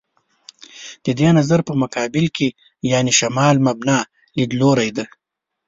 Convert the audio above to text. د دې نظر په مقابل کې «شمال مبنا» لیدلوری دی.